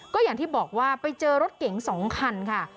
ก็อย่างที่บอกว่าไปเจอรถเก๋ง๒คันค่ะ